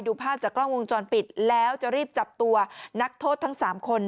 ภาพจากกล้องวงจรปิดแล้วจะรีบจับตัวนักโทษทั้ง๓คน